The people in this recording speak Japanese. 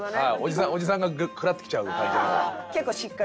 おじさんがクラッときちゃう感じの。